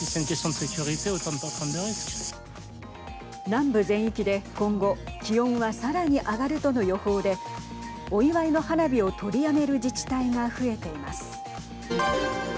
南部全域で今後気温は、さらに上がるとの予報でお祝いの花火を取りやめる自治体が増えています。